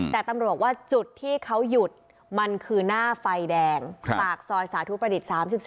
แต่ตำรวจว่าจุดที่เขาหยุดมันคือหน้าไฟแดงปากซอยสาธุประดิษฐ์๓๔